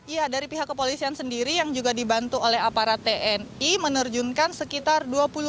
ya dari pihak kepolisian sendiri yang juga dibantu oleh aparat tni menerjunkan sekitar